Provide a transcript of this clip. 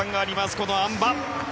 この、あん馬。